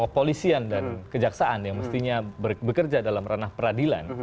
polisian dan kejaksaan yang mestinya bekerja dalam ranah peradilan